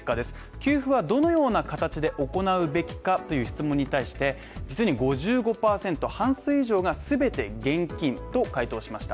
給付はどのような形で行うべきかという質問に対して実に５５％半数以上が全て現金と回答しました。